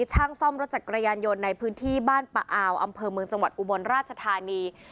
ช่างซ่อมรถจักรยานยนต์ในพื้นที่บ้านปะอาวอำเภอเมืองจังหวัดอุบลราชธานี